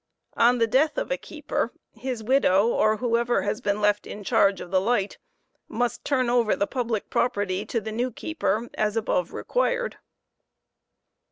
On the death of a keeper, his widow, or whoever has been left in charge of the light, must turn over the public property to the new keeper as above required.